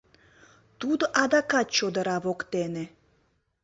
Тудо адакат чодыра воктене.